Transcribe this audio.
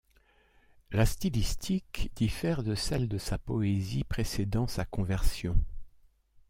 La stylistique diffère de celle de sa poésie précédant sa conversion.